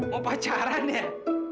mau pacaran ya